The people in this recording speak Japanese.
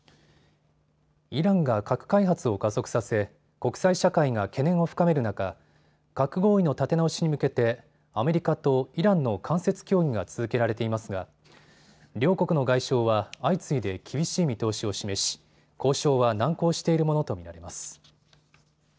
イランが核開発を加速させ国際社会が懸念を深める中、核合意の立て直しに向けてアメリカとイランの間接協議が続けられていますが両国の外相は相次いで厳しい見通しを示し交渉は難航しているものと見られます。